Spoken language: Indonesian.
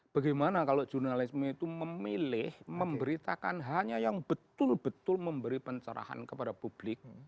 bagaimana kalau jurnalisme itu memilih memberitakan hanya yang betul betul memberi pencerahan kepada publik